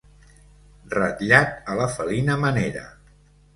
Ratllat a la felina manera.